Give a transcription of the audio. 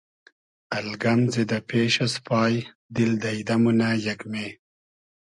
الگئم زیدۂ پېش از پای دیل دݷدۂ مونۂ یېگمې